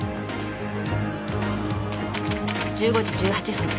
１５時１８分